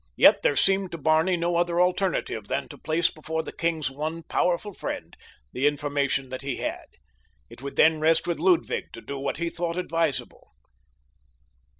Yet there seemed to Barney no other alternative than to place before the king's one powerful friend the information that he had. It would then rest with Ludwig to do what he thought advisable.